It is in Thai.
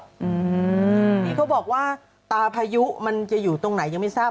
ที่เขาบอกว่าตาพายุมันจะอยู่ตรงไหนยังไม่ทราบ